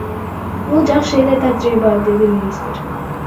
Бул жакшы эле тажрыйба, — деди министр.